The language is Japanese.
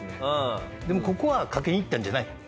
でもここは書きに行ったんじゃない。